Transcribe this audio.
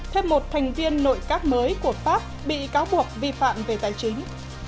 thêm một thành viên nội các mới của pháp bị cáo buộc vi phạm về tài chính